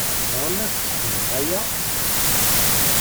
Tebɣam ad sseḥmuɣ aya?